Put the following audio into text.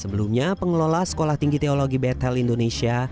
sebelumnya pengelola sekolah tinggi teologi bethl indonesia